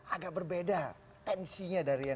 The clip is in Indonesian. agak berbeda tensinya dari yang